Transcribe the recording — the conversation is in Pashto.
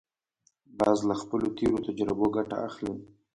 باز له خپلو تېرو تجربو ګټه اخلي